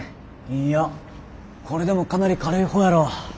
いやこれでもかなり軽い方やろ。